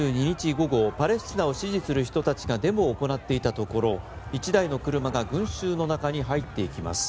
午後パレスチナを支持する人たちがデモを行っていたところ１台の車が群衆の中に入っていきます。